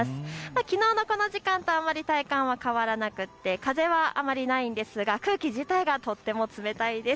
きのうのこの時間とあまり体感は変わりがなく風はあまりないんですが、空気自体がとても冷たいです。